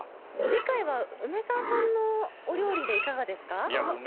次回は梅沢さんのお料理でいかがですか？